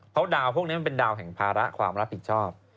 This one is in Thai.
เพราะดาวพวกนี้มันเป็นดาวแห่งภาระความรับผิดชอบ